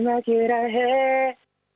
maafkan deh ini terakhir